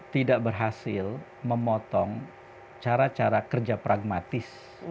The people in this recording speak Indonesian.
tidak berhasil memotong cara cara kerja pragmatis